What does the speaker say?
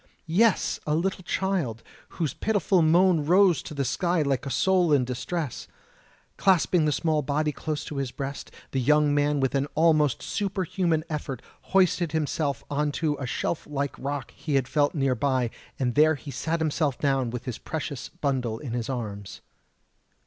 Yes, a little child, whose pitiful moan rose to the sky like a soul in distress. Clasping the small body close to his breast, the young man with an almost superhuman effort hoisted himself on to a shelf like rock he had felt near by, and there he sat himself down with his precious bundle in his arms.